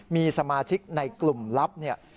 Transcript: มีสมาชิกในกลุ่มลับ